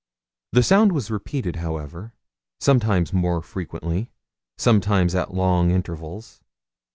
The sound was repeated, however sometimes more frequently, sometimes at long intervals.